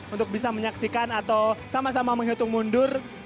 untuk bisa menyaksikan atau sama sama menghitung mundur